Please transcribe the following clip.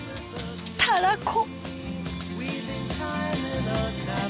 たらこ。